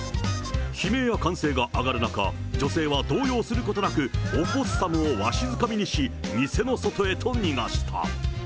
悲鳴や歓声が上がる中、女性は動揺することなく、オポッサムをわしづかみにし、店の外へと逃がした。